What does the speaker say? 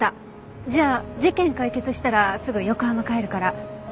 じゃあ事件解決したらすぐ横浜帰るから。